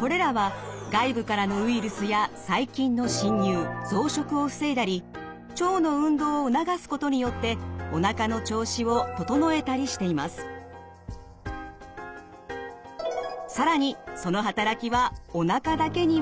これらは外部からのウイルスや細菌の侵入増殖を防いだり腸の運動を促すことによって更にその働きはおなかだけにはとどまりません。